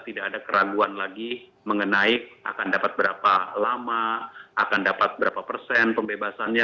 tidak ada keraguan lagi mengenai akan dapat berapa lama akan dapat berapa persen pembebasannya